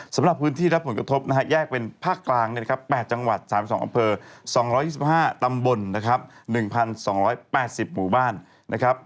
สำหรับพื้นที่รับผลกระทบนะฮะแยกเป็นภาคกลางเนี่ยนะครับ๘จังหวัด๓๒อำเภอ๒๒๕ตำบลนะครับ๑๒๘๐หมู่บ้านนะครับ